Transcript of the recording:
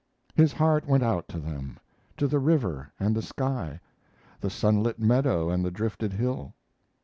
His heart went out to them; to the river and the sky, the sunlit meadow and the drifted hill.